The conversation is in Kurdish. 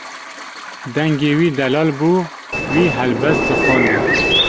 Dengê wî delal bû, wî helbest dixwandin.